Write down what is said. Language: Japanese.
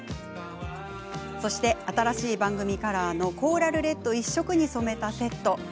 そして、新しい番組カラーのコーラルレッド一色に染めたセット。